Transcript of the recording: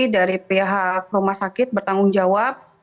dari pihak rumah sakit bertanggung jawab